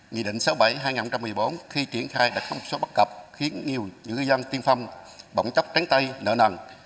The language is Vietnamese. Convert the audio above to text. nghị định sáu mươi bảy hai nghìn một mươi bốn khi triển khai đã không số bắt gập khiến nhiều ngư dân tiên phong bỏng chóc tránh tay nợ nằn